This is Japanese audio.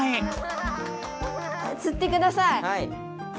つってください。